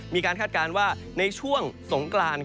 คาดการณ์ว่าในช่วงสงกราน